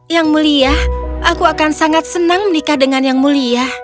yang mulia aku akan sangat senang menikah dengan yang mulia